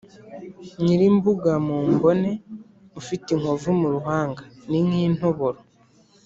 nyiri imbuga mu mbone: ufite inkovu mu ruhanga (ni nk’intoboro)